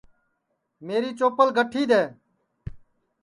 میری چوپل گٹھی دؔے